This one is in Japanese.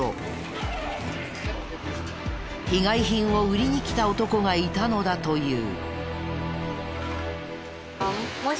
被害品を売りに来た男がいたのだという。